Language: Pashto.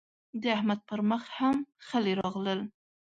د احمد پر مخ هم خلي راغلل.